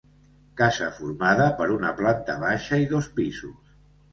Casa formada per una planta baixa i dos pisos.